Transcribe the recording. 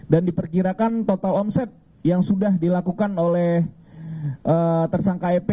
dan diperkirakan total omset yang sudah dilakukan oleh tersangka ep